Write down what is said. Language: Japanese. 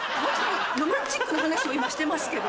ロマンチックな話を今してますけど。